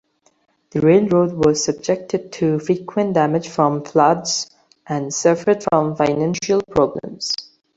The railroad was subjected to frequent damage from floods and suffered from financial problems.